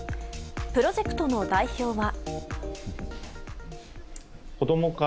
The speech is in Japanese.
プロジェクトの代表は。